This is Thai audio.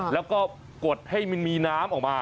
แล้วก็กดให้มันมีน้ำออกมา